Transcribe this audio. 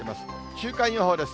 週間予報です。